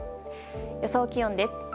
予想気温です。